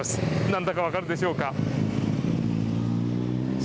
なんだか分かるでしょうか？